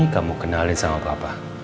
kamu kenalin sama papa